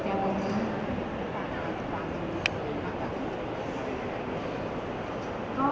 ก็ต้องมาวางแผนที่นี่ค่ะ